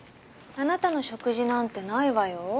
あなたの食事なんてないわよ。